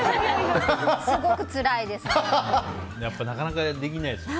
すごくつらいですね。